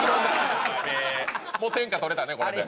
もう天下取れたねこれで。